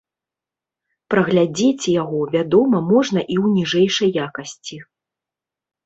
Праглядзець яго, вядома, можна і ў ніжэйшай якасці.